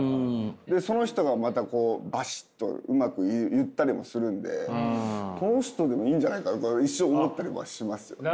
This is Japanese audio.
でその人がまたこうバシッとうまく言ったりもするんでこの人でもいいんじゃないかな一瞬思ったりもしますよね。